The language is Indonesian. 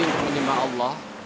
untuk menimba allah